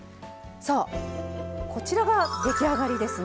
こちらが出来上がりです。